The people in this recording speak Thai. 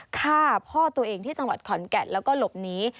ฆ่าพ่อตัวเองที่จังหวัดขอนแก่นแล้วก็หลบหนี